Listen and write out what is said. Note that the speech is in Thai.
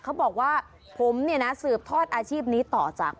เขาบอกว่าผมสืบทอดอาชีพนี้ต่อจากพ่อ